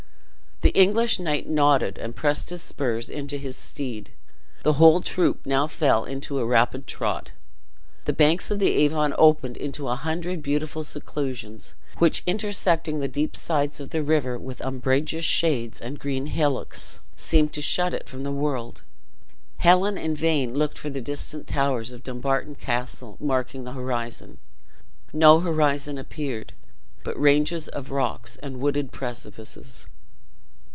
The English knight nodded, and set his spurs into his steed. The whole troop now fell into a rapid trot. The banks of the Avon opened into a hundred beautiful seclusions, which, intersecting the deep sides of the river with umbrageous shades and green hillocks, seemed to shut it from the world. Helen in vain looked for the distant towers of Dumbarton Castle marking the horizon; no horizon appeared, but ranges of rocks and wooded precipices.